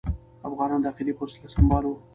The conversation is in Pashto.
افغانان د عقیدې په وسله سمبال وو.